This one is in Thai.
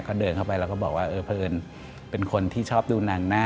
ก็เดินเข้าไปแล้วก็บอกว่าเออเพราะเอิญเป็นคนที่ชอบดูหนังหน้า